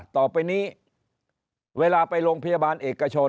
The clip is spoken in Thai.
ต่อไปนี้เวลาไปโรงพยาบาลเอกชน